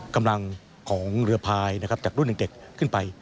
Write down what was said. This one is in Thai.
กำลังของเรือพลายจากรุ่นหนึ่งเด็กขึ้นไป